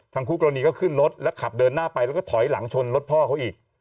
คู่กรณีก็ขึ้นรถแล้วขับเดินหน้าไปแล้วก็ถอยหลังชนรถพ่อเขาอีก